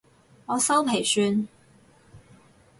我修皮算